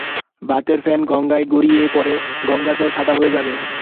ভাতের ফেন গঙ্গায় গড়িয়ে পড়ে গঙ্গার জল সাদা হয়ে যাবে।